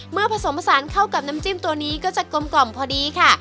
ผสมผสานเข้ากับน้ำจิ้มตัวนี้ก็จะกลมกล่อมพอดีค่ะ